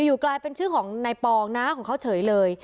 อยู่กลายเป็นชื่อของนายปองน้าของเขาเฉยเลย